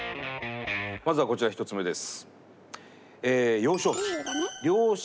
まずはこちら１つ目です。